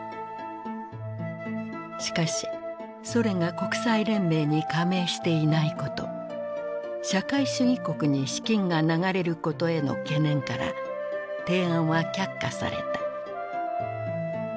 しかしソ連が国際連盟に加盟していないこと社会主義国に資金が流れることへの懸念から提案は却下された。